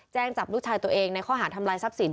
จับลูกชายตัวเองในข้อหาทำลายทรัพย์สิน